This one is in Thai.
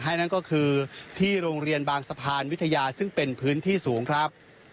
นั่นก็คือที่โรงเรียนบางสะพานวิทยาซึ่งเป็นพื้นที่สูงครับ